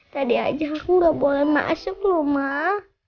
tadi aja aku gak boleh masuk rumah